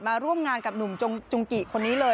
ร่วมงานกับหนุ่มจุงกิคนนี้เลย